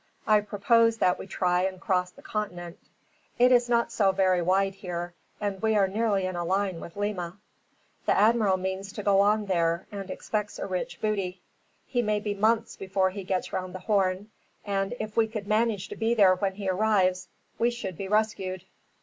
I propose that we try and cross the continent. It is not so very wide here, and we are nearly in a line with Lima. The admiral means to go on there, and expects a rich booty. He may be months before he gets round the Horn, and if we could manage to be there when he arrives, we should be rescued.